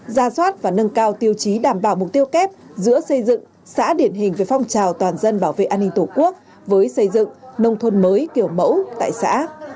ra soát và nâng cao tiêu chí đảm bảo mục tiêu kép giữa xây dựng xã điển hình về phong trào toàn dân bảo vệ an ninh tổ quốc với xây dựng nông thôn mới kiểu mẫu tại xã